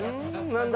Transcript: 何だ